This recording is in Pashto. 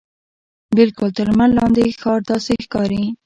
بالکل تر لمر لاندې ښار داسې ښکاري.